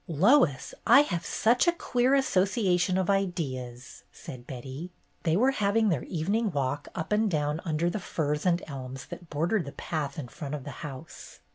"Lois, I have such a queer association of ideas," said Betty. They were having their evening walk up and down under the firs and elms that bordered the path in front of the house.